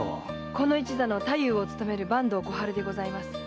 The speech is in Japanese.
この一座の太夫をつとめる坂東小春でございます。